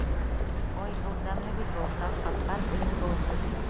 Ой, һыу тәмле бит ул, сарсатҡан, үлеп һыу эске килә.